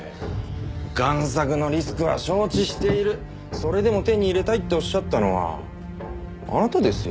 贋作のリスクは承知しているそれでも手に入れたいっておっしゃったのはあなたですよ。